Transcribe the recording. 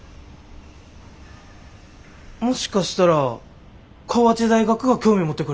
もしかしたら河内大学が興味持ってくれるかも。え？